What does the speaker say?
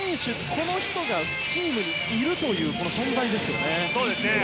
この人がチームにいるというこの存在ですよね。